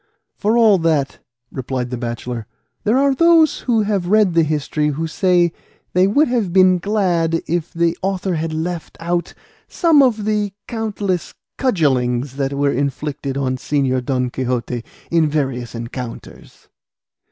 "For all that," replied the bachelor, "there are those who have read the history who say they would have been glad if the author had left out some of the countless cudgellings that were inflicted on Señor Don Quixote in various encounters."